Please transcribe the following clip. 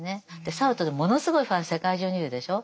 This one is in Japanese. サルトルものすごいファン世界中にいるでしょう。